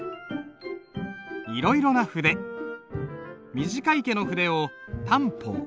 短い毛の筆を短鋒。